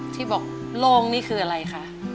ที่บอกโล่งนี่คืออะไรคะ